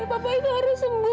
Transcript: papa ini harus sembuh